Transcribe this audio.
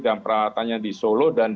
dan peralatannya di solo dan